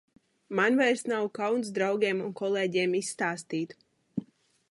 Man vairs nav kauns draugiem un kolēģiem izstāstīt.